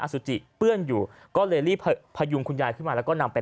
สุจิเปื้อนอยู่ก็เลยรีบพยุงคุณยายขึ้นมาแล้วก็นำไป